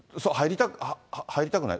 入りたくない？